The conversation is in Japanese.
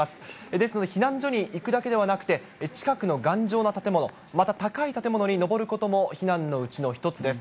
ですので、避難所に行くだけではなくて、近くの頑丈な建物、また高い建物に上ることも避難のうちの一つです。